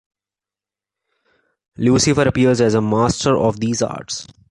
Lucifer appears as a master of these arts.